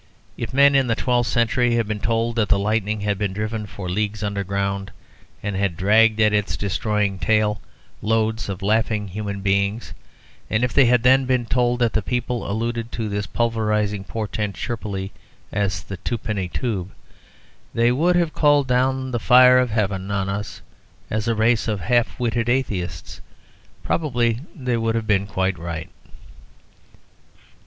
If men in the twelfth century had been told that the lightning had been driven for leagues underground, and had dragged at its destroying tail loads of laughing human beings, and if they had then been told that the people alluded to this pulverising portent chirpily as "The Twopenny Tube," they would have called down the fire of Heaven on us as a race of half witted atheists. Probably they would have been quite right.